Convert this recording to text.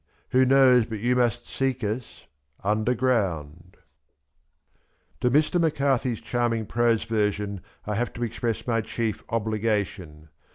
Who knows but you must seek us — underground ? H To Mr, McCarthy s charming prose version I have to express my chief obligation.